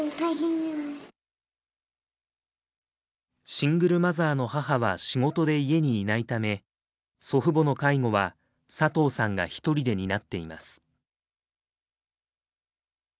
シングルマザーの母は仕事で家にいないため祖父母の介護は佐藤さんが一人で担っています。